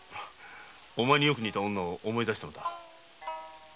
お前によく似た女を思い出したのだ。